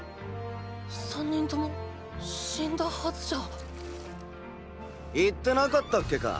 ３人とも死んだはずじゃ⁉言ってなかったっけか？